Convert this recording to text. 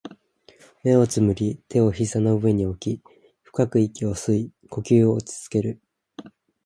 目を瞑り、手を膝の上に置き、深く息を吸い、呼吸を落ち着ける